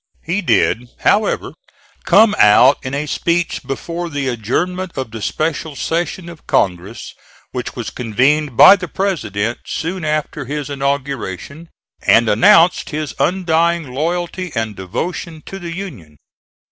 He did, however, come out in a speech before the adjournment of the special session of Congress which was convened by the President soon after his inauguration, and announced his undying loyalty and devotion to the Union.